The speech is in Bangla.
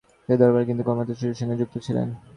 সেই ধারাবাহিতায় কিছু কর্মকর্তা চুরির সঙ্গে যুক্ত ছিলেন।